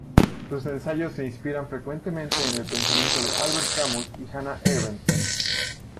Sus ensayos se inspiran frecuentemente en el pensamiento de Albert Camus y Hannah Arendt.